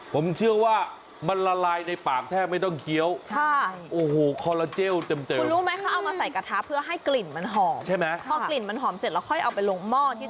หอมเสร็จแล้วค่อยเอาไปลงม่อนที่จะตุ่นอีกทีหนึ่ง